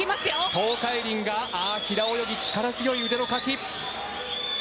東海林が平泳ぎ力強い腕のかき。